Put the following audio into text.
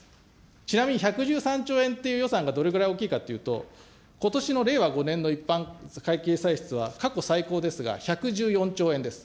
ちなみに１１３兆円という予算がどれぐらい大きいかっていうと、ことしの令和５年度一般会計歳出は過去最高ですが１１４兆円です。